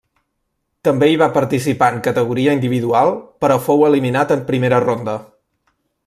També hi va participar en categoria individual però fou eliminat en primera ronda.